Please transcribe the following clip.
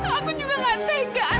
aku juga gak tegang